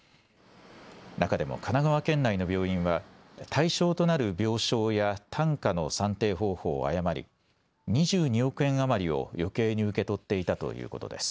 中でも神奈川県内の病院は、対象となる病床や単価の算定方法を誤り、２２億円余りをよけいに受け取っていたということです。